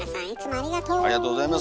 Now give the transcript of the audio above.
ありがとうございます。